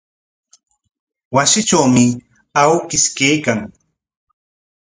Wasitrawmi awkish kaykan.